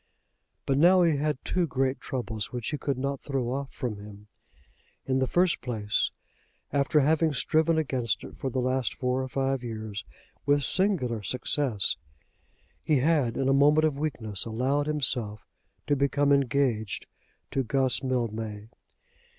But now he had two great troubles, which he could not throw off from him. In the first place, after having striven against it for the last four or five years with singular success, he had in a moment of weakness allowed himself to become engaged to Guss Mildmay.